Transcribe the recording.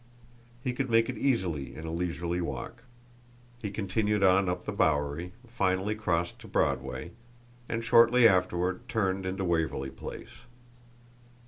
He could make it easily in a leisurely walk. He continued on up the Bowery, finally crossed to Broadway, and shortly afterward turned into Waverly Place.